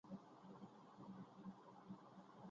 গান্ধী ও আজাদ নামে অন্য দুটি ব্রিগেডও ইমফলের দিকে অগ্রসর হয়।